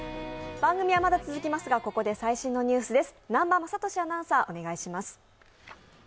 番組はまだ続きますがここで最新のニュースです。